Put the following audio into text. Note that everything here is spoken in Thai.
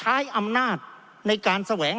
เพราะเรามี๕ชั่วโมงครับท่านนึง